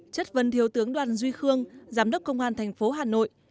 chất vấn thiếu tướng đoàn duy khương giám đốc công an tp hà nội